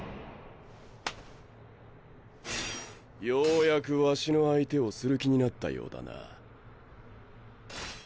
ようやくワシの相手をする気になったようだな。